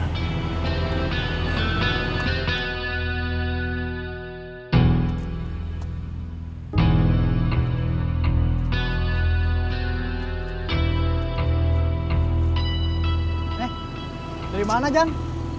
nih dari mana jang